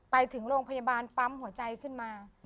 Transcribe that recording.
ไปถึงโรงพยาบาลปั๊มหัวใจขึ้นมา